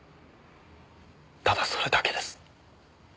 ただそれだけです。